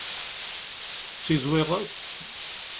Tettizwiɣeḍ?